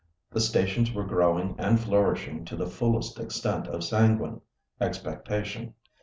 The stations were growing and flourishing to the fullest extent of sanguine expectation.